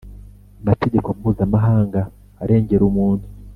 mategeko mpuzamahanga arengera umuntu,